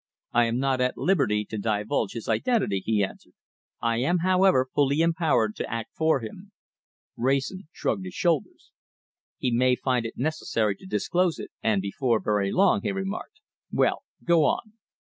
"I am not at liberty to divulge his identity," he answered. "I am, however, fully empowered to act for him." Wrayson shrugged his shoulders. "He may find it necessary to disclose it, and before very long," he remarked. "Well, go on."